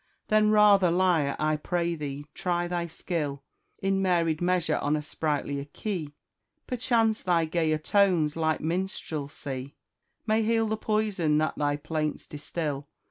Then rather, lyre, I pray thee, try thy skill, In varied measure, on a sprightlier key: Perchance thy gayer tones' light minstrelsy May heal the poison that thy plaints distil.